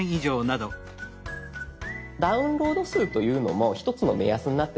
「ダウンロード数」というのも一つの目安になってまいります。